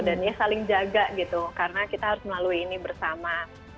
dan ya saling jaga gitu karena kita harus melalui ini bersama